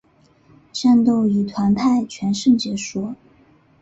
战斗以团派全胜结束。